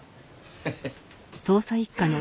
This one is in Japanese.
ヘヘッ。